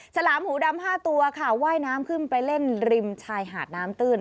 ฉลามหูดำ๕ตัวค่ะว่ายน้ำขึ้นไปเล่นริมชายหาดน้ำตื้น